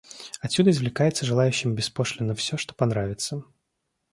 Отсюда извлекается желающим беспошлинно все, что понравится.